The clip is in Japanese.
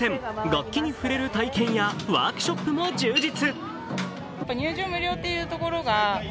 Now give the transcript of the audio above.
楽器に触れる体験やワークショップも充実。